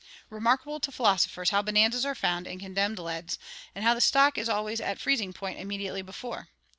Remarkable to philosophers how bonanzas are found in condemned leads, and how the stock is always at freezing point immediately before!